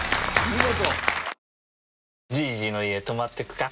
見事。